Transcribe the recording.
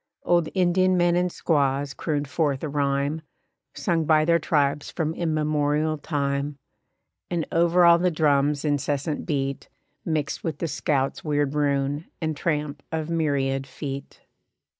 Old Indian men and squaws crooned forth a rhyme Sung by their tribes from immemorial time; And over all the drums' incessant beat Mixed with the scout's weird rune, and tramp of myriad feet.